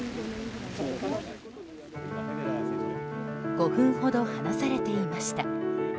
５分ほど話されていました。